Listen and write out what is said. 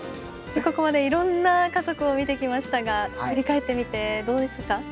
ここまでいろんな家族を見てきましたが振り返ってみてどうでしたか？